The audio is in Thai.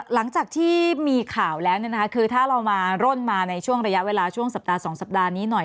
หลังจากที่มีข่าวแล้วคือถ้าเรามาร่นมาในช่วงระยะเวลาช่วงสัปดาห์๒สัปดาห์นี้หน่อย